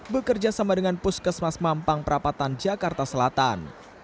bekerja sama dengan puskesmas mampang perapatan jakarta selatan